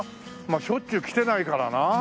まあしょっちゅう来てないからなあ。